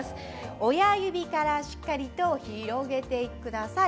親指からしっかりと広げてください。